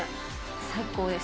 最高です。